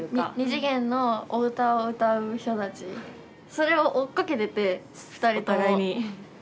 ２次元のお歌を歌う人たちそれを追っかけてて２人とも。お互いに。